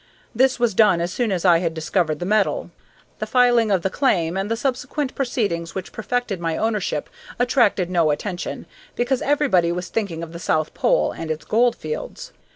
This was done as soon as I had discovered the metal. The filing of the claim and the subsequent proceedings which perfected my ownership attracted no attention, because everybody was thinking of the south pole and its gold fields."